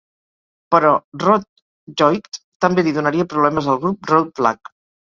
Però "Rode Jeugd" també li donaria problemes al grup "Rode Vlag".